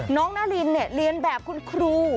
นารินเรียนแบบคุณครู